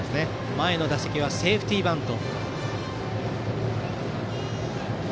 前の打席はセーフティーバント。